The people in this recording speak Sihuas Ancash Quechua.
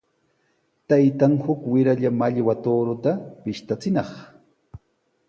Taytan uk wiralla mallwa tuuruta pishtachinaq.